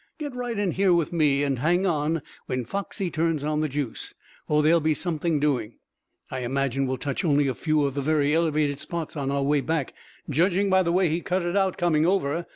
Get right in here with me, and hang on when Foxy turns on the juice, for there'll be something doing. I imagine we'll touch only a few of the very elevated spots on our way back, judging by the way he cut it out coming over.